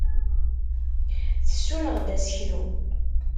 Tessuneɣ-d aseklu.